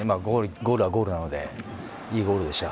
ゴールはゴールなのでいいゴールでした。